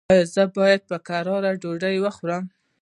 ایا زه باید په کراره ډوډۍ وخورم؟